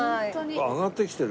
上がってきてる？